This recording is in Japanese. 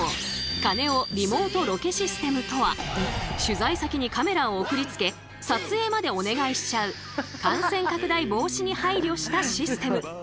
カネオ・リモートロケシステムとは取材先にカメラを送りつけ撮影までお願いしちゃう感染拡大防止に配慮したシステム。